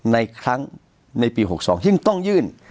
ในครั้งในปี๖๒ยิ่งต้องยื่น